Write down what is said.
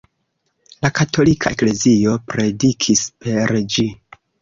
La katolika eklezio predikis per ĝi.